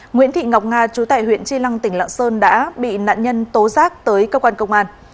nguyễn thị ngọc nga chú tại huyện chi lăng tỉnh lạng sơn đã bị nạn nhân tố giác tới cơ quan công an